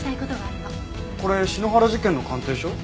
これ篠原事件の鑑定書？